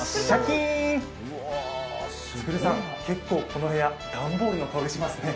結構この部屋、段ボールの香りがしますね。